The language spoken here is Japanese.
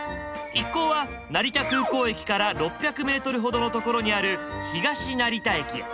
一行は成田空港駅から６００メートルほどの所にある東成田駅へ。